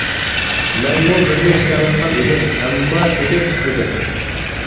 مەنمۇ بىرنى ئىشلەۋاتقان ئىدىم، ئەمما تېخى پۇتمىدى.